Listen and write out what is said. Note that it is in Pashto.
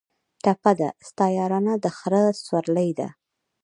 ټپه ده: ستا یارانه د خره سورلي ده